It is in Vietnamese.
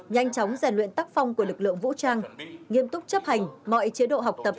nhanh chóng rèn luyện tắc phong của lực lượng vũ trang nghiêm túc chấp hành mọi chế độ học tập